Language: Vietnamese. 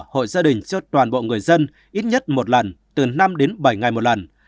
hội gia đình cho toàn bộ người dân ít nhất một lần từ năm đến bảy ngày một lần